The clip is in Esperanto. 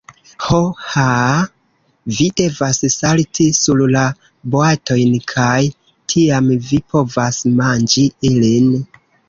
Ho. Haaaa, vi devas salti sur la boatojn, kaj tiam vi povas manĝi ilin.